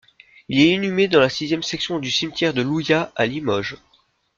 Il est inhumé dans la sixième section du cimetière de Louyat à Limoges.